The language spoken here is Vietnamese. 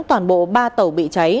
toàn bộ ba tàu bị cháy